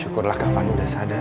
syukurlah kak fani sudah sadar